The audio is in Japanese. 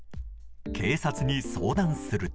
警察に相談すると。